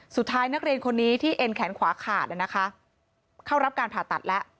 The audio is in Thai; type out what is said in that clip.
นักเรียนคนนี้ที่เอ็นแขนขวาขาดนะคะเข้ารับการผ่าตัดแล้ว